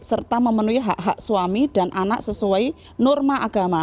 serta memenuhi hak hak suami dan anak sesuai norma agama